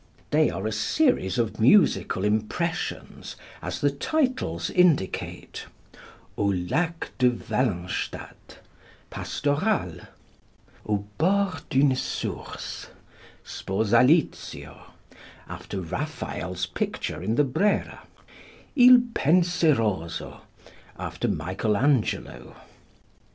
They are a series of musical impressions, as the titles indicate "Au lac de Wallenstadt, Pastoral," "Au bord d'une source, Sposalizio" (after Raphael's picture in the Brera), "Il Penseroso" (after Michael Angelo).